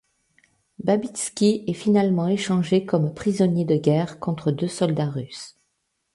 Babitski est finalement échangé comme prisonnier de guerre contre deux soldats russes.